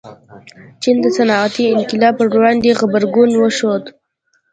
چین د صنعتي انقلاب پر وړاندې غبرګون وښود.